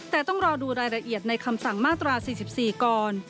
แต่ต้องรอดูรายละเอียดในคำสั่งมาตรา๔๔ก่อน